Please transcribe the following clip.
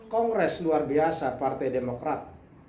kongres luar biasa partai demokrat